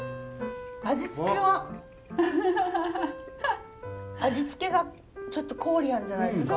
味付けが味付けがちょっとコリアンじゃないですか？